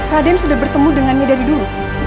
raden sudah bertemu dengannya dari dulu